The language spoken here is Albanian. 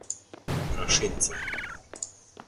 Rashinca